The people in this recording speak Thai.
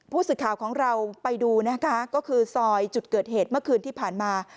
ผู้สื่อข่าวของเราไปดูนะคะก็คือซอยจุดเกิดเหตุเมื่อคืนที่ผ่านมา